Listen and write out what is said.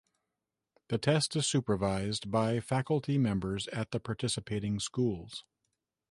The test is supervised by faculty members at the participating schools.